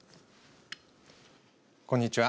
こんにちは。